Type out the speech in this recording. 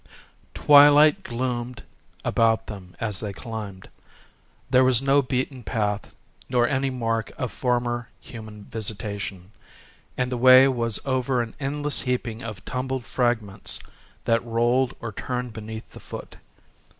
Twilight gloomed about them as they climbed. There was no beaten path, nor any mark of former human visitation; and the way was over an endless heaping of tumbled fragments that rolled or turned beneath the foot.